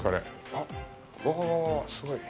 あっ、うわうわうわ、すごい！